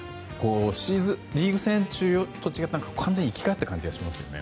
リーグ戦中と違って完全に生き返った感じがしますよね。